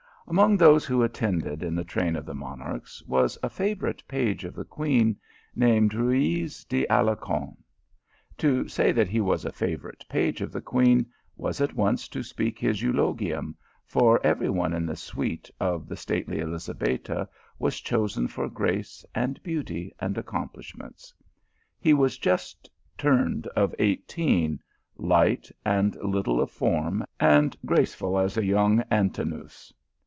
Among those who attended in the train of the monarchs, was a favourite page of the queen, named Ruyz de Alarcon. To say that he was a favourite page of the queen, was at once to speak his eulogium, for every one in the suite of the stately Elizabetta was chosen for grace, and beauty, and accomplish ments. He was just turned of eighteen, light and little of form, and graceful as a young Antinous.